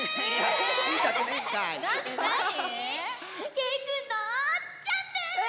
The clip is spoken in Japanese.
けいくんのジャンプ！